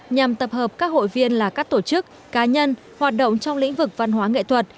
nhằm tập hợp các hội viên là các tổ chức cá nhân hoạt động trong lĩnh vực văn hóa nghệ thuật